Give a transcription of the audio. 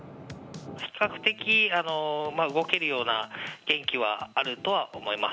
比較的動けるような元気はあるとは思います。